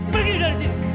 pergi dari sini